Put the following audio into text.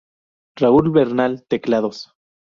Raúl Bernal: teclados.